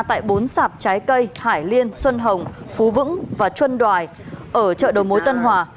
tại bốn sạp trái cây hải liên xuân hồng phú vững và chuân đoài ở chợ đầu mối tân hòa